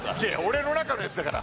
俺の中のやつだから。